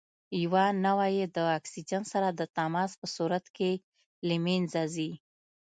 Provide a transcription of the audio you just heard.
یوه نوعه یې د اکسیجن سره د تماس په صورت کې له منځه ځي.